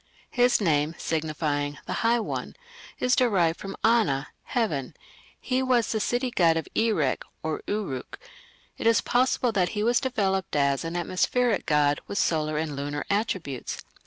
His name, signifying "the high one", is derived from "ana", "heaven"; he was the city god of Erech (Uruk). It is possible that he was developed as an atmospheric god with solar and lunar attributes.